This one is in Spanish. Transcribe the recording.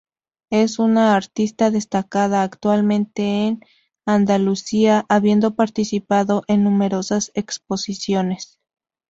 Es una artista destacada actualmente en Andalucía, habiendo participado en numerosas exposiciones.